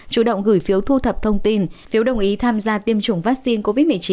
chủ động gửi phiếu thu thập thông tin phiếu đồng ý tham gia tiêm chủng vaccine covid một mươi chín